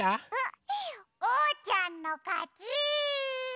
おうちゃんのかち！